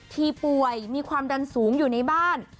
ที่ป่วยมีความดันสูงอยู่ในบ้าน